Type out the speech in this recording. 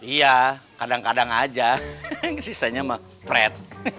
iya kadang kadang aja sisanya mah fred